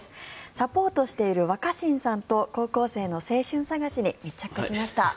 サポートしている若新さんと高校生の青春探しに密着しました。